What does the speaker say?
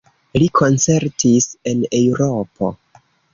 Li koncertis en Eŭropo.